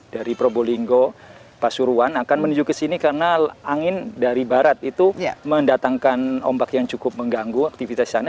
dari probolinggo pasuruan akan menuju ke sini karena angin dari barat itu mendatangkan ombak yang cukup mengganggu aktivitas di sana